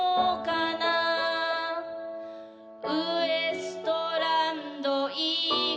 「ウエストランド井口」